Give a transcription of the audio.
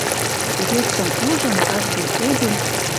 Тидетшӹм ужын, каждый эдем